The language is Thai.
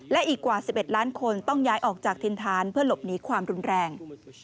และอีกกว่า๑๑ล้านคนต้องย้ายออกจากถิ่นฐานเพื่อหลบหนีความรุนแรง